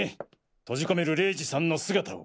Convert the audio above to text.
閉じ込める玲二さんの姿を。